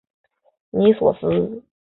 尼索斯。